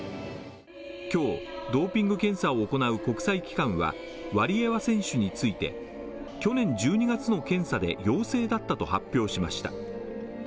今日、ドーピング検査を行う国際機関はワリエワ選手について去年１２月の検査で陽性だったと発表しました。